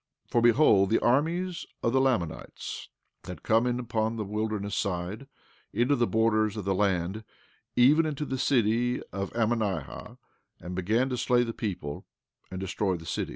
16:2 For behold, the armies of the Lamanites had come in upon the wilderness side, into the borders of the land, even into the city of Ammonihah, and began to slay the people and destroy the city.